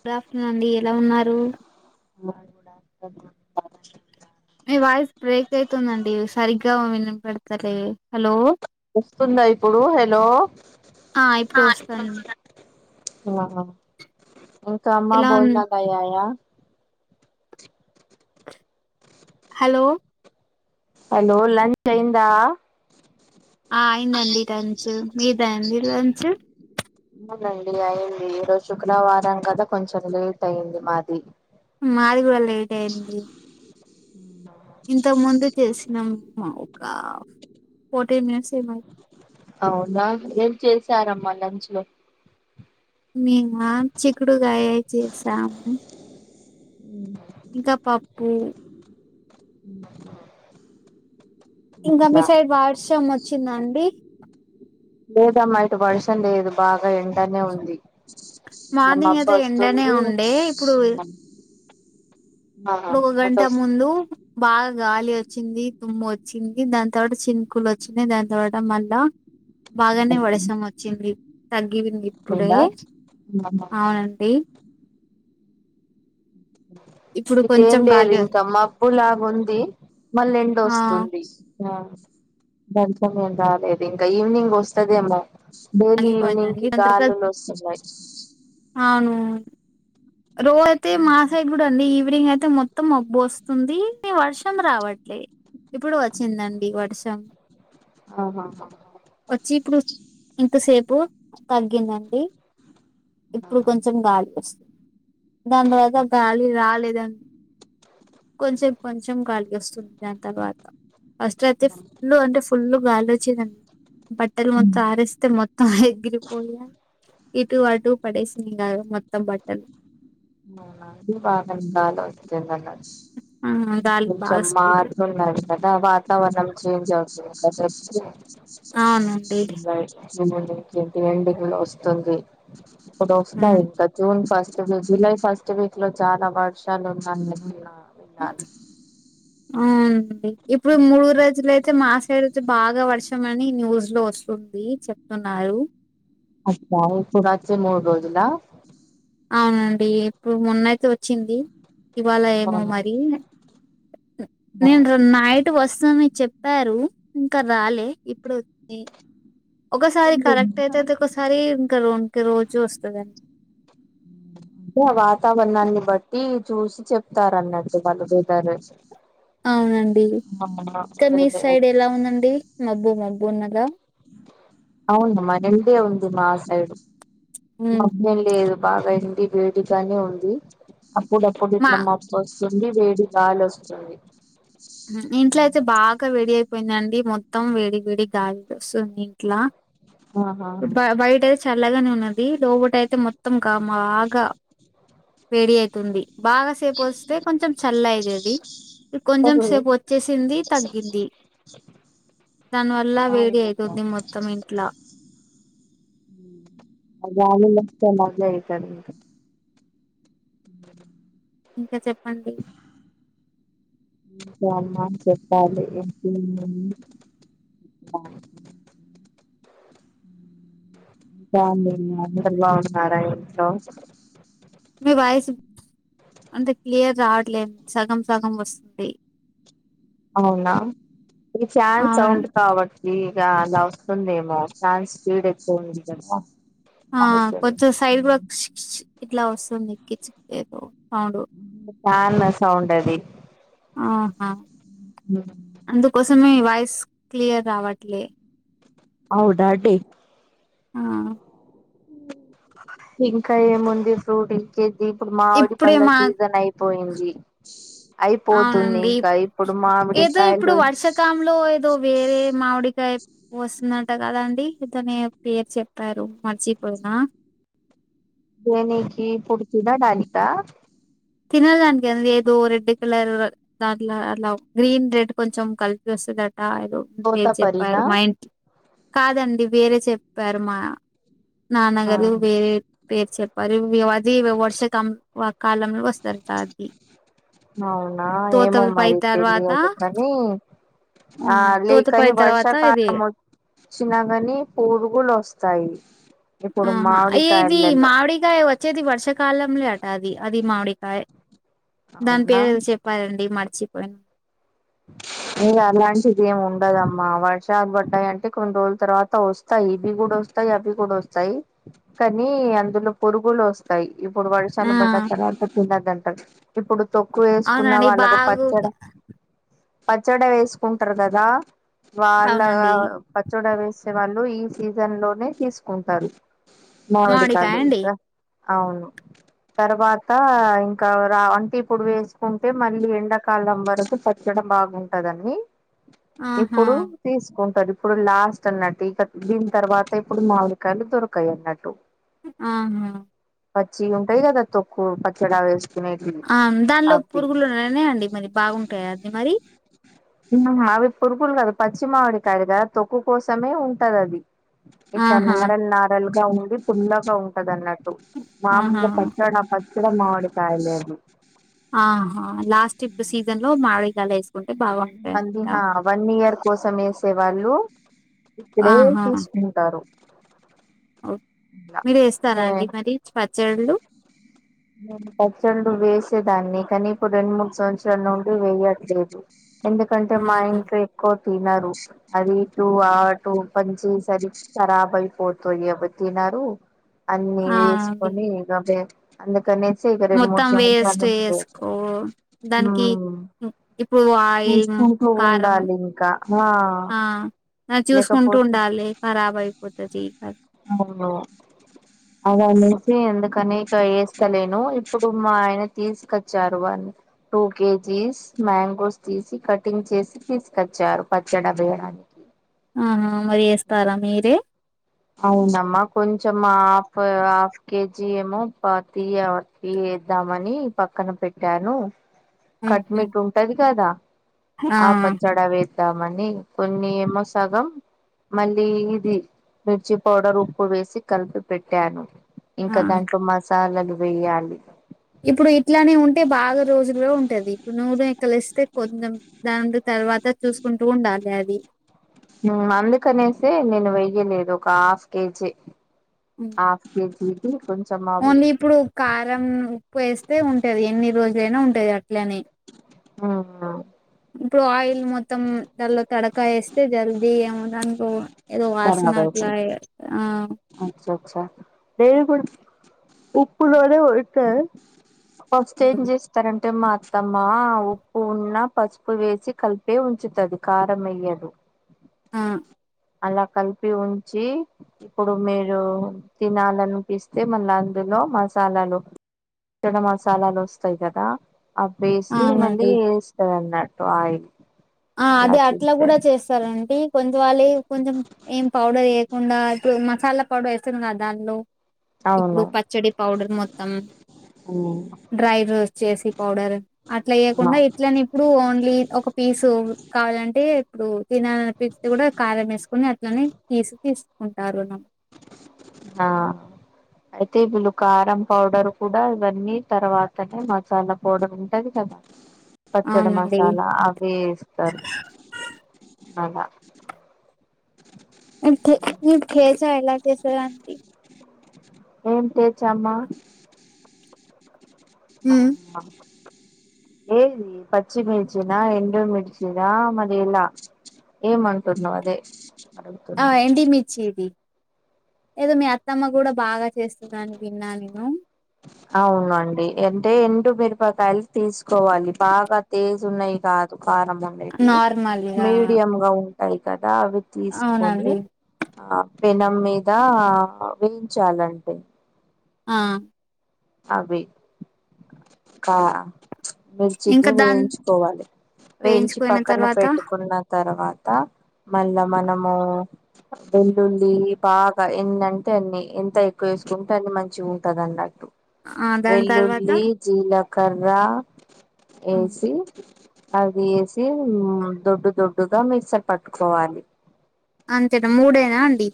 Good afternoon అండి ఎలా ఉన్నారు కూడాడ కట్టిగ్ మీ వాయిస్ బ్రేక్ అయితుంద అండి సరిగ్గా వినిపడతలే హలో వస్తుందా ఇప్పుడు హలో ఆ ఇప్పుడు వస్తాను ఇంకా ఒక అమ్మా ఎలా ఉ బోల్నకె కాయా హలో హలో లంచ్ అయిందా ఆ అయింది అండి లాంచ్ మీద అంది లంచ్ అవుల అండి అయింది ఈ రోజు శుక్రవారం కదా కొంచెం లేట్ అయింది మాది మాది కూడా లేట్ అయింది ఇంత ముందే చేసినామ్ ఒక ఫోర్టీన్ మినిట్స్ ఏమయి అవునా ఏం చేశారమ్మా లంచ్ లో మేమా ఆ చిక్కుడుకాయ చేసామ్ ఉమ్ ఇంకా పప్పు ఉహు ఇంగా మీ సైడ్ వార్షం వచ్చింద అండి? లేదమ్మా ఇటు వర్షం లేదు, బాగా ఎండనే ఉంది. ఆ మార్నింగ్ మబ్బ అయితే ఎండనే అస్తుంది. ఉండే ఇప్పుడు ఇప్పుడు ఒ గంట ముందు బాగ గాలి అచ్చింది, దుమ్ము వచ్చింది, దాని తర్వాత ట తర్వాత చినుకులు వచ్చినయి దాని తర్వాట మల్ల బాగనే వర్షం వచ్చింది తగ్గింది ఇప్పుడే, వస్తుందా అవును అండి. ఇ ఇటెంలేదు ఇంకా మబ్బు లాగ ఉంది, మళ్ల ఆ ఎండొస్తుంది. నా దంచ్చమ్మ రాలేదు ఇంకా ఈవినింగ్ వస్తదేమో డైలీ ఈవినింగ్ ఆగిపోయిందండి కి దాని తర్వాత గాలులు వస్తున్నయ్ అవును రోతీ మా సైడ్ కూడ అండి ఈవినింగ్ అయితే మొత్తం మబ్బు వస్తుందీ వర్షం రావట్లే ఇప్పుడు వచ్చింది అండి వర్షం. ఆహహా వచ్చి ఇప్పుడు ఇంతసేపు తగ్గింది అండి. ఇప్పుడు కొంచం గాలి వస్తుం దాని తర్వాత గాలి రాలేదు అం కొంచం కొంచం గాలి వస్తుంది దాని తర్వా ఫస్ట్ అయితే ఫుల్ అంటే ఫుల్ గాలి వచ్చేదండి, బట్టలు మొత్తం ఆ రెస్తే మొత్ అహ్ ఎగిరిపోయా ఇటు అటు పడేసింది కాదు మొత్తం బట్టలు అవున అండి బాగా బాలేదు గాలి ఆ గాలి బాగా కొంచెం స్పీడ్ మారితే కాదు కదా వాతావరణం చెంజ్ అవుతుంది కద అవునండి ఇంతకి బై [unintelligible] టి ఎండింగ్ లో వస్తుంది ఇప్పుడు ఉమ్. వస్తాది జూన్ ఫెస్ట్లో జులై ఫస్ట్ వీక్ లో చాలా వర్షాలు ఉన్నాయండి ఇలా ఆవును అండి ఇప్పుడు మూడు రోజులు అయితే మా సైడ్ వచ్చి బాగా వర్షం అని న్యూస్ లో వస్తుంది. చెప్తున్నారు అబ్బా ఇప్పుడు అచ్చి మూడు రోజులా? అవును అండి ఇప్పుడు మొన్న అయితే వచ్చింది, ఇవాళ ఏమో అవును మరి నేను రెం నైట్ వస్తానీ చెప్పారు, ఇంకా రాలే ఇప్పుడు వచ్చి ది ఒకసారి అంటే కరెక్ట్ అయితే తే ఒకసారి ఇంకా రెం ఇంక రోజు వస్తదండి. ఇగ వాతావరణాన్ని బట్టి చూసి చెప్తారున్నట్టు వాళ్ళు వెదర్ అవునండి, ఇంక మీ సైడ్ ఎలా ఉందండి? మబ్బు మబ్బు ఉన్నద? అవునమ్మా ఎండే ఉంది మా సైడు మబ్బు ఉహు లేదు బాగ ఇంటి వేడిగానే ఉంది, కానీ అప్పుడప్పుడు మా ఇట్లా మప్ వస్తుంది వేడిగాలి వస్తుంది. ఉమ్ ఇంట్లో అయితే బాగా వేడి అయిపోయిందండి, మొత్తం వేడి వేడి గాలి వస్తుంది ఇంట్ల ఆహా బ బయట అయి చల్లగనే ఉన్నది, లోబట అయితే మొత్తం కా మా ఆగా వేడీ అయితే ఉంది, బాగా సేపు వస్తే కొంచెం చల్లైగది కొంచం అవునండి సేపు వచ్చేసింది, తగ్గింది. తన వల్ల ఆ వేడి అయితుంది మొత్తం ఇంట్లా ఉమ్ అ అ మొద అవుతా ఇంకా చెప్పండి మ్మా చెప్పాలి ఏంటి అందరు బాగున్నారాలో మ వయిస్ అంటే క్లియర్ రావట్లేదు సగం సగం వస్తుంది అవునా ఈ ఆ ఫ్యాన్స్ సౌండ్ కాబట్టి ఇక అలా వస్తుందేమో ఫాన్స్ స్పీడ్ ఎక్కువ ఉంది కదా ఆ అందుకే. కొంచెం సైడ్ బక్ ఇట్లా వస్తుంది కిచదో అవును ఫ్యాన్ సౌండ్ అది ఆహా అందుకోసమే వాయిస్ క్లియర్ రావట్లే హవుడాడి ఆ ఇంకా ఏముంది ఫ్రూట్ ఇక్కేది ఇప్పుడు మామిడి ఇప్పుడే పండ్ల మా సీజన్ అయిపోయింది అయిపోతుంది అవునండి ఇంకా ఇప్పుడు మామిడికాయలోచ్ ఇ ఏదో వేరే మామిడికాయ వస్తుందట కదా అండి ఇదనే పేరు చెప్పారు మర్చిపోయినా దేనేకి పుడుతుడా డానిక తినడానికి అ ఏదో రెడ్ కలర్ దాట్లో అలా గ్రీన్ రెడ్ కొంచెం కలిపి వస్తుందట అ పేరు తోతపరినా చెప్పారు మా ఇంట్ కాదండి వేరే చెప్పారు మా ఆ, నాన్నగారు వేరే పేరు చెప్పారు అది వర్ష క కాలంలో వస్తారట అది అవునా ఏమో తోతపై మరి తర్వాత తెలియదు కాని ఆ ఉమ్, తోతపై లేకని తర్వాత ఇది వర్షాకాలమో చినగని పురుగులు వస్తాయి ఇప్పుడు ఆహా అ ఇది మామిడికాయలలో మామిడికాయ వచ్చేది వర్షాకాలం లే అట అది అది మామిడికాయ దాని అవునా పేరు ఏదో చెప్పాలండి మర్చిపోయినా మీరు అలాంటిది ఏమి ఉండదమ్మా వర్షాలు పడ్డాయి అంటే కొన్ని రోజుల తర్వాత వస్ స్తాయి ఇవి కూడా వస్తాయి అవి కూడా వస్తాయి కానీ అందులో పురుగులు వస్తాయి ఇప్పుడు ఆ వర్షన్ని పడ్డ తర్వాత తినది అంటారు ఇప్పుడు తొక్కు వేసుకున్న అవునండి వాళ్ళకు బాగు పచ్చడి పచ్చడి వేసుకుంటారు కదా వాళ్ళ అవునండి పచ్చోడా వేసే వాళ్ళు ఈ సీజన్ లోనే తీసుకుంటారు మావిడి మామిడికాయ కాలు అండి ర అవును తర్వాత ఇంకా రా వంటిప్పుడు వేసుకుంటే మళ్ళీ ఎండాకాలం వరకు ఇడం బాగుంటదని ఆహా ఇప్పుడు తీసుకుంటారు ఇప్పుడు లాస్ట్ అన్నట్టు ఇక దీన్ తర్వాత ఇప్పుడు మామిడికయలు దొరకాయి అన్నట్టు ఆహా పచ్చి ఉంటాయి కదా తొక్కు పచ్చడా వేస్ ఆ దానిలో పురుగులునే అండి మరి బాగుంటాయి అది మరి అవి పురుగులు కదు పశ్చిమామిడి కాయలు కదా తొక్కు కోసమే ఉంటది అది ఇట్లా ఆహా నారల్ నారల్గా ఉంది ఫుల్లగా ఉంటది అన్నట్ మామగా ఆహా పచ్చడా పచ్చడి మామిడి కాయలేదు ఆహా లాస్ట్ ఇప్పుడు సీజన్ లో మావిడిగాలు వేసుకుంటే వన్ బాగుంటాయి మంది అన్నమాట వన్ ఇయర్ కోసం యేసే వాళ్ళు ఇక్కడే ఆహా! తీసుకుంటారు ఓ మీరేస్తారా నే అండి మరి పచ్చళ్ళు నేను పచ్చళ్ళు వేసేదాన్ని కానీ ఇప్పుడు రెండు మూడు సంవత్సరాల నుండి వేయట్లేదు ఎందుకంటే మా హ్మ్. ఇంట్లో ఎక్కువ తినరు అది ఇటూ ఆటు పంచే సరికి కారాబ్ అయిపోతు ఎవర్ తినరు అన్ని ఆ! అండి. వేసుకొని ఇదొఓకే అందుకనే మొత్తం వేస్ట్ వేసుకో దానికి ఇప్పుడు ఆయిల్ చూసుకుంటూ కారం ఉండాలి ఇంకా ఆ డాన్ చూసుకుంటూ లేకపోతే ఉండాలి కరాబ్ అయిపోతది కాని అవును హమ్ అదే అనేసి ఎందుకని ఇక వేస్తలేను ఇప్పుడు మా ఆయన తీసుకొచ్చారు వాన్ని టూ కేజీస్ మ్యాంగోస్ తీసి కటింగ్ చేసి తీసుకొచ్చారు పచ్చడ వేయడానికి ఆహా మరి ఏస్తారా మీరే అవునమ్మా కొంచమ్ హఫ హఫ్ కేజీ ఎమో పా తీయ టి ఏద్దామని పక్కన పెట్టాను హుహు. కట్మిట్ ఉంటది కదా ఆ పచ్చడా వే ద్దామని కొన్ని ఏమో సగం మళ్ళీ ఇది మిర్చి పౌడర్ ఉప్పు వేసి కలిపి పెట్టాను ఆ! ఇంకా దాంట్లో మ సాల్లలు వేయాలి ఇప్పుడు ఇట్లానే ఉంటే బాగా రోజుల్లో ఉంటది నూనే ఎక్కలేస్తే కొంచెం దాం తర్వాత చూసుకుంటూ ఉండాలి అది అందుకనేసి నేను వెయ్యలేదు ఒక హాఫ్ కేజీ హ్మ్. హఫ్ కేజీది కొంచె మావి ఓన్లీ ఇప్పుడు కారం ఉప్పు వేస్తే ఉంటది ఎన్ని రోజులైనా ఉంటది అట్లనే ఆహ ఇప్పుడు ఆయిల్ మొత్తం దాలో తడకా వేస్తే జల్దీ ఏమ దనికో ఏదో వాసనాట్లా ఆ అచ్చా అచ్చా నేను కూడా ఉప్పులోదే ఒత ఫస్ట్ ఏం చేస్తే స్తారంటే మాఅత్తమ్మా ఉప్పు ఉన్న పసుపు వేసి కలిపి ఉంచుతది కారం ఎయ్యదు ఆ అలా కలిపి ఉంచి ఇప్పుడు మీరు తినాలనిపిస్తే మళ్ళ అందులో మసాలాలు చడ మసాలాలు వస్తాయి కదా అబ్బేసి మళ్ళీ అవునండి ఏస్తదన్నట్టు ఆయిల్ ఆ అలా అదే అట్లా చేస్తది కూడా చేస్తారండి కొంచె వాళ్ళి కొంచెం ఏం పౌడర్ ఏయకుండా ఇప్పుడు మసాలా పౌడర్ వేస్తుంది కదా దాంలో ఇప్పుడు అవును పచ్చడి పౌడర్ మొత్తం ఉ డ్రై రోస్ట్ చేసి పౌడర్ అట్లా ఆ ఏయకుండా ఇట్లనే ఇప్పుడు ఓన్లీ ఒక పీసు కావాలంటే ఇప్పుడు తినాలనిపిస్తి కూడా కారం వేసుకోని అట్లనే తీసి తీసుకుంటారు ఆ అయితే ఇప్పులు కారం పౌడర్ కూడా ఇవన్నీ తర్వాతనే మసాలా పౌడర్ ఉంటది కదా పచ్చడి అవునండి మసాలా అవి వేస్తారు అలా ను్ ఇప్ కేచా ఎలా చేసారడికి ఏం తెచమ్మ ఉమ్. ఆహా ఏది పచ్చి మిర్చిన ఎండు మిర్చిిన మరి ఎలా ఏ మంటున్నావ్ అదే అడుగుతు ఆ ఏండు మిర్చిది ఏదో మీ అత్తమ్మ కూడా బాగా చేస్ దని విన్న నేను అవునండి అంటే ఎండు మిరపకాయలు తీసుకోవాలి బాగా తేజ్ ఉన్నాయి కాదు కారం ఉండేటీయి నార్మల్గా మీడియం గా ఉన్ ంటాయి కదా అవి తీసుకొని అవునండి ఆ పెనం మీద వేయించాలంటే ఆ అవి కా మిర్చిని ఇంకా దాన్ని వేయించుకోవాలి వేయించి వేయించుకున్న పక్కన తర్వాత పెట్టుకున్నా తర్వాత మళ్ళా మనము వెల్లుల్లి బాగా ఎన్ని అంటే అన్ని ఎంత ఎక్కువ వేసుకుంటే అన్ని మంచిగుంటదన్నట్టు ఆ దాని తర్వాత వెల్లుల్లి జీలకర్ర ఏసి అది వేసి దొడ్డు దొడ్డుగా మిక్సర్ పట్టుకోవాలి అంతేనా మూడైనా అండి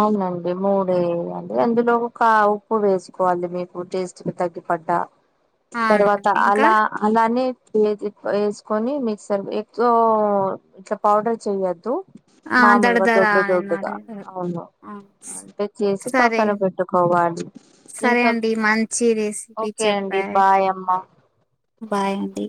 అవునండి మూడే వేయాలి అందులో ఒక ఉప్పు వేసుకోవాలి మీకు టేస్ట్ కి తగ్గి పట్ట అవును తర్వాత ఇంకా అలా అలానే వేసుకొని మిక్సర్ ఎగ్ ఇట్లా పౌడర్ చెయొద్దు ఆ మామూలుగా దడదరా దొడ్డు దొడ్డుగా అన్నాడు అవును అంటే చేసి సరే పక్కన పెట్టుకోవాలి సరే ఇంకా అండి మీరు మంచి రెసిపీ ఓకే అండి చెప్పారు బాయ్ అమ్మ బాయ్ అంటీ